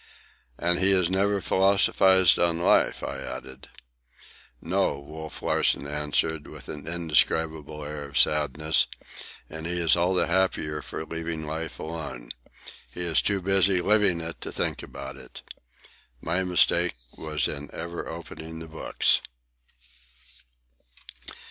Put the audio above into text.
"And he has never philosophized on life," I added. "No," Wolf Larsen answered, with an indescribable air of sadness. "And he is all the happier for leaving life alone. He is too busy living it to think about it. My mistake was in ever opening the books."